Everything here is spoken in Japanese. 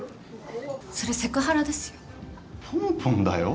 それセクハラですよ。